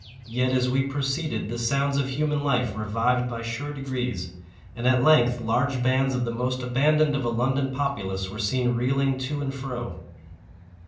Yet, as we proceeded, the sounds of human life revived by sure degrees, and at length large bands of the most abandoned of a London populace were seen reeling to and fro.